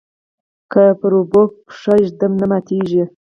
که پر اوبو پښه ږدم نه ماتیږي.